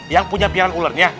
yang punya piaraan ularnya